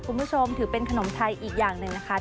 คุณผู้ชมถือเป็นขนมไทยอีกอย่างหนึ่งนะคะ